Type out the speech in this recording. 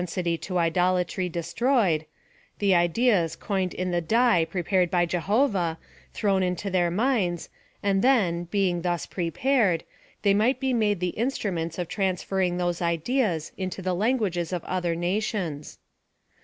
sity to idolatry destroyed — the ideas coined in the die prepared by Jehovah, thrown into their minds, and then, being thus prepared, they might be made the instruments of transferring those ideas into the lan guages of other nations.